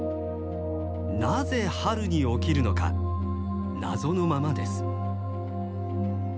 なぜ春に起きるのか謎のままです。